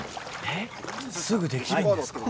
すぐにできるんですか？